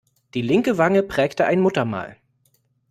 Die linke Wange prägte ein Muttermal.